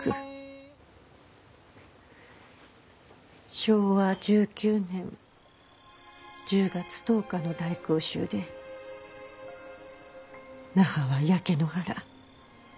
昭和１９年１０月１０日の大空襲で那覇は焼け野原。